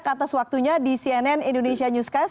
kata sewaktunya di cnn indonesia newscast